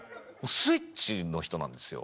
スイッチの人なんですよ。